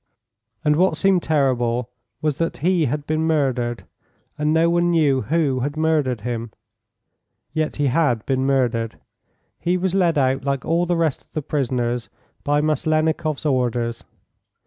And what seemed terrible was that he had been murdered, and no one knew who had murdered him. Yet he had been murdered. He was led out like all the rest of the prisoners by Maslennikoff's orders.